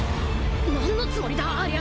何のつもりだありゃあ。